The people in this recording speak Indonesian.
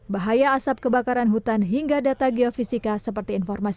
bahaya asap kebakaran hutan hingga data geofisika seperti informasi